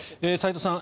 齋藤さん